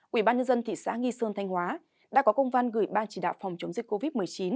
ủy ban nhân dân thị xã nghi sơn thanh hóa đã có công văn gửi ban chỉ đạo phòng chống dịch covid một mươi chín